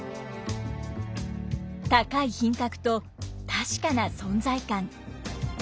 高い品格と確かな存在感。